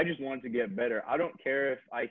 gue cuma pengen lebih baik